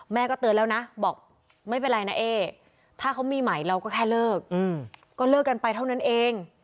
ก็เตือนแล้วนะบอกไม่เป็นไรนะเอ๊ถ้าเขามีใหม่เราก็แค่เลิกก็เลิกกันไปเท่านั้นเอง